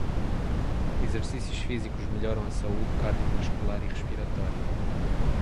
Exercícios físicos melhoram a saúde cardiovascular e respiratória.